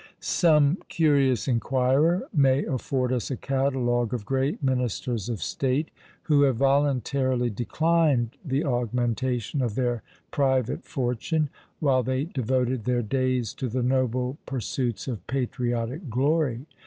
Some curious inquirer may afford us a catalogue of great ministers of state who have voluntarily declined the augmentation of their private fortune, while they devoted their days to the noble pursuits of patriotic glory!